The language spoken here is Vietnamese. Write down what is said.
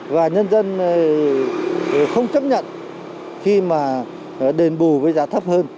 và nhân dân không chấp nhận khi mà đền bù với giá thấp hơn